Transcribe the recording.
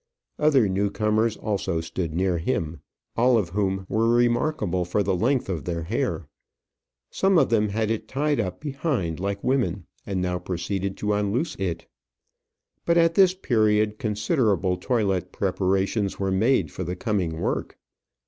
Other new comers also stood near him, all of whom were remarkable for the length of their hair. Some of them had it tied up behind like women, and now proceeded to unloose it. But at this period considerable toilet preparations were made for the coming work.